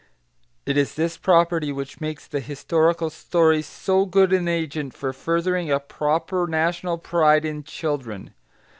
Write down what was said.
It is this property which makes the historical story so good an agent for furthering a proper national pride in children.